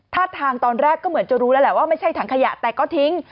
ท่าทางตอนแรกก็เหมือนจะรู้แล้วแหละว่าไม่ใช่ถังขยะแต่ก็ทิ้ง